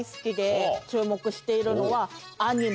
注目しているのは。